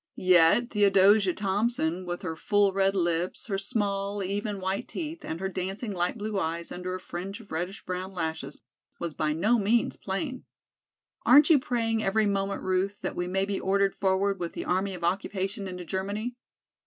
Yet Theodosia Thompson, with her full red lips, her small, even white teeth and her dancing light blue eyes under a fringe of reddish brown lashes, was by no means plain. "Aren't you praying every moment, Ruth, that we may be ordered forward with the army of occupation into Germany?